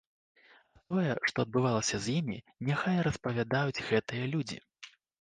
А тое, што адбывалася з імі, няхай распавядаюць гэтыя людзі.